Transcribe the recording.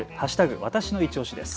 わたしのいちオシです。